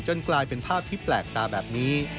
กลายเป็นภาพที่แปลกตาแบบนี้